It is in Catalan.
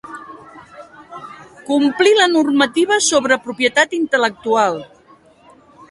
Complir la normativa sobre propietat intel·lectual.